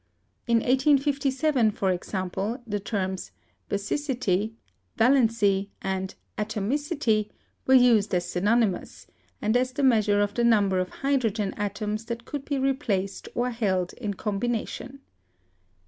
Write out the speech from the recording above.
In 1857, f° r example, the terms "basic 2 4 o CHEMISTRY ity," "valency," and "atomicity" were used as synonymous, and as the measure of the number of hydrogen atoms that could be replaced or held in combination.